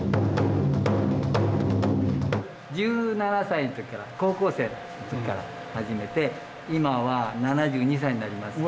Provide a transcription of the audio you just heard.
１７歳の時から高校生の時から始めて今は７２歳になります。